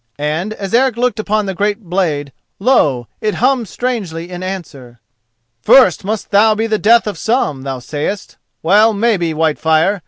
And as Eric looked on the great blade, lo! it hummed strangely in answer. "'First must thou be the death of some,' thou sayest? Well, maybe, Whitefire!